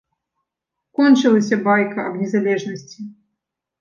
Кончылася байка аб незалежнасці.